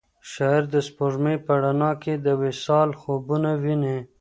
شاعر د سپوږمۍ په رڼا کې د وصال خوبونه ویني.